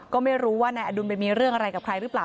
ก็ไม่รู้ว่านายอดุลไปมีเรื่องอะไรกับใครหรือเปล่า